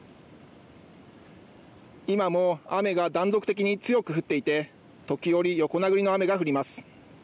今も雨が断続的に強く降っていて時折、横殴りの雨が降ります。